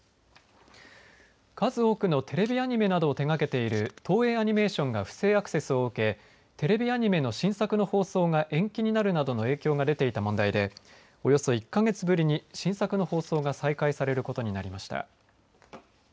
数多くのテレビアニメなどを手がけている東映アニメーションが不正アクセスを受けテレビアニメの新作の放送が延期になるなどの影響が出ていた問題でおよそ１か月ぶりに新作の放送が再開されることになりました。